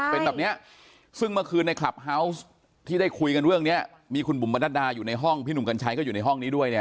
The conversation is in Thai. เป็นแบบเนี้ยซึ่งเมื่อคืนในคลับเฮาวส์ที่ได้คุยกันเรื่องนี้มีคุณบุ๋มประนัดดาอยู่ในห้องพี่หนุ่มกัญชัยก็อยู่ในห้องนี้ด้วยเนี่ย